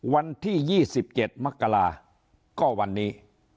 วันที่๒๗มกราก็วันนี้